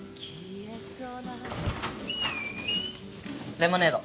レモネード。